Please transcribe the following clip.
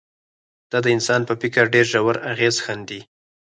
دا د انسان په فکر ډېر ژور اغېز ښندي